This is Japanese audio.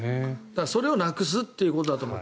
それをなくすっていうことだと思う。